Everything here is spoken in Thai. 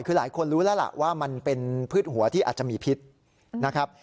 คือหลายคนรู้แล้วล่ะว่ามันเป็นพืชหัวที่อาจจะมีพิษนะครับ